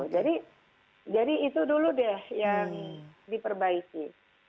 jadi itu dulu deh yang diperbaiki